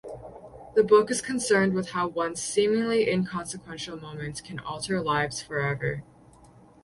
The book is concerned with how one seemingly inconsequential moment can alter lives forever.